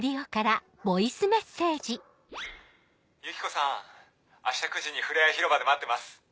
ユキコさん明日９時にふれあい広場で待ってます。